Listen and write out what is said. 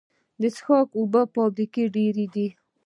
د څښاک اوبو فابریکې ډیرې دي